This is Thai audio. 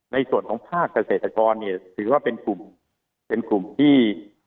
ในส่วนของภาคเกษตรกรเนี่ยถือว่าเป็นกลุ่มเป็นกลุ่มที่